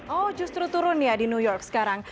oh justru turun ya di new york sekarang